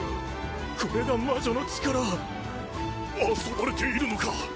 これが魔女の力遊ばれているのか？